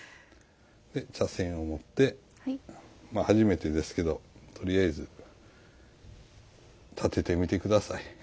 茶筅を持ってまあ初めてですけどとりあえず点ててみて下さい。